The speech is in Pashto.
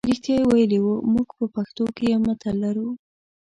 رښتیا یې ویلي وو موږ په پښتو کې یو متل لرو.